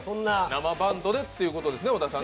生バンドでってことですね？